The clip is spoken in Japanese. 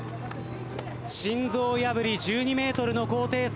心臓破り１２ｍの高低差。